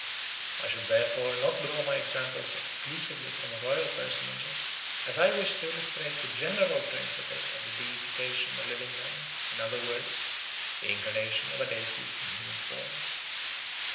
I shall therefore not draw my examples exclusively from royal personages, as I wish to illustrate the general principle of the deification of living men, in other words, the incarnation of a deity in human form.